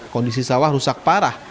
kondisi sawah rusak parah